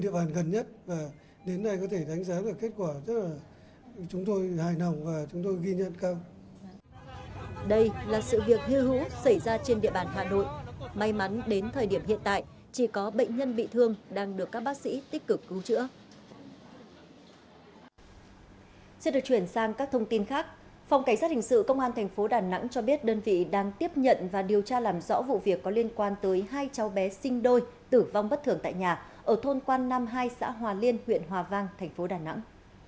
phòng cảnh sát hình sự công an tp đà nẵng cho biết đơn vị đang tiếp nhận và điều tra làm rõ vụ việc có liên quan tới hai cháu bé sinh đôi tử vong bất thường tại nhà ở thôn quan nam hai xã hòa liên huyện hòa vang tp đà nẵng